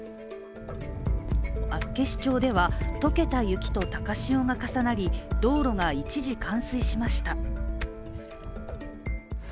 厚岸町では解けた雪と高潮が重なり道路が一時冠水しました。